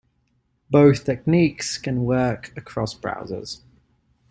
Both techniques can work across browsers.